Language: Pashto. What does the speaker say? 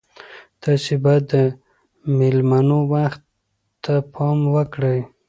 تاسي باید د میلمنو وخت ته پام وکړئ.